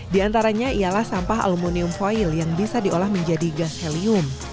di antaranya ialah sampah aluminium foil yang bisa diolah menjadi gas helium